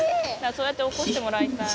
そうやって起こしてもらいたい。